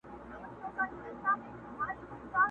د فرنګ پر کهاله ځکه شور ما شور سو!.